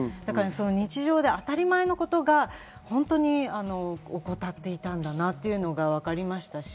日常で当たり前のことが本当に怠っていたんだなというのがわかりましたね。